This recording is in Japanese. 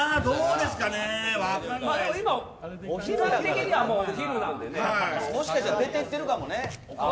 でも今、時間的にはお昼なのでもしかしたら出て行ってるかもね。